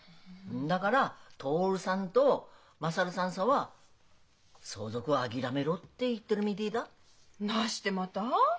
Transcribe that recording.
んだから「徹さんと優さんさは相続を諦めろ」って言っでるみでえだ。なしてまた？